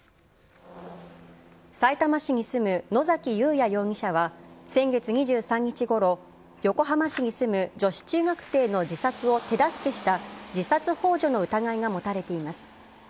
さいたま市に住む野崎祐也容疑者は、先月２３日ごろ横浜市に住む女子中学生の自殺を手助けした自殺ほう助の疑いが持たれています。